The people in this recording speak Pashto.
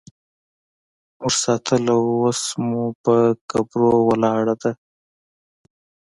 مونږ ساتله اوس مو په قبرو ولاړه ده